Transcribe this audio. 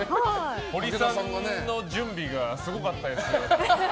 ホリさんの準備がすごかったですけど。